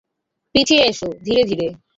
পিছিয়ে এসো, ধীরে ধীরে।